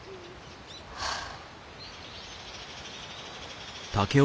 はあ。